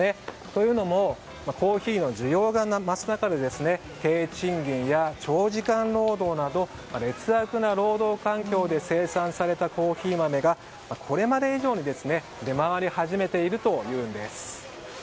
というのもコーヒーの需要が増す中で低賃金や長時間労働など劣悪な労働環境で生産されたコーヒー豆がこれまで以上に出回り始めているというんです。